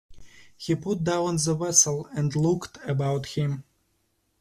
He put down the vessel and looked about him.